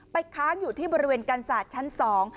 ค้างอยู่ที่บริเวณกันศาสตร์ชั้นสอง